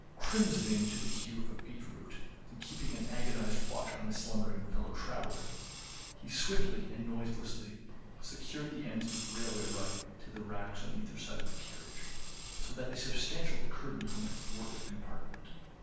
Crimsoning to the hue of a beetroot and keeping an agonised watch on his slumbering fellow traveller, he swiftly and noiselessly secured the ends of his railway rug to the racks on either side of the carriage, so that a substantial curtain hung athwart the compartment.